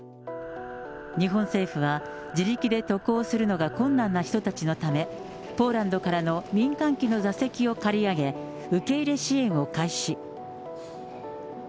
日本政府は、自力で渡航するのが困難な人たちのため、ポーランドからの民間機の座席を借り上げ、受け入れ支援を開始。